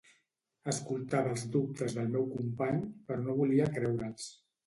Escoltava els dubtes del meu company però no volia creure'ls.